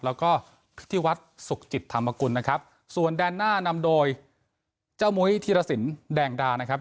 แล้วก็พิธีวัฒน์สุขจิตธรรมกุลนะครับส่วนแดนหน้านำโดยเจ้ามุ้ยธีรสินแดงดานะครับ